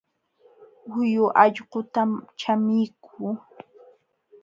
Huyu allqutam chamikuu